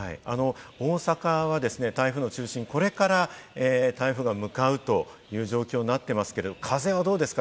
大阪は台風の中心、これから台風が向かうという状況になっていますけれど、風はどうですか？